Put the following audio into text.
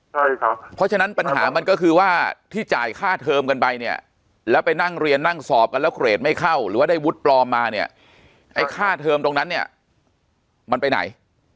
ใช่ครับเพราะฉะนั้นปัญหามันก็คือว่าที่จ่ายค่าเทอมกันไปเนี่ยแล้วไปนั่งเรียนนั่งสอบกันแล้วเกรดไม่เข้าหรือว่าได้วุฒิปลอมมาเนี่ยไอ้ค่าเทอมตรงนั้นเนี่ยมันไปไหน